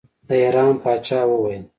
د ایران پاچا وویل.